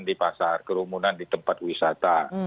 di pasar kerumunan di tempat wisata